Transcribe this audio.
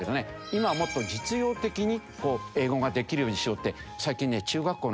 今はもっと実用的に英語ができるようにしようって最近ね中学校の。